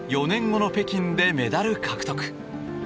４年後の北京でメダル獲得。